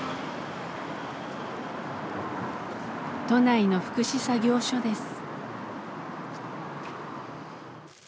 都内の福祉作業所です。